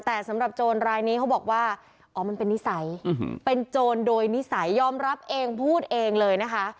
แต่สำหรับโจรรายนี้เขาบอกว่าอ๋อมันเป็นนิสัยเป็นโจรโดยนิสัยยอมรับเองพูดเองเลยนะคะ